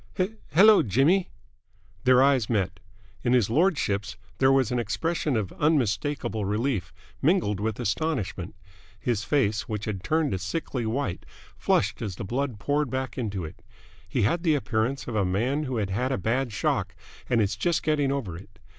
"H hello, Jimmy!" Their eyes met. In his lordship's there was an expression of unmistakable relief, mingled with astonishment. His face, which had turned a sickly white, flushed as the blood poured back into it. He had the appearance of a man who had had a bad shock and is just getting over it.